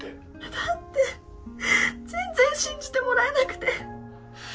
だって全然信じてもらえなくて。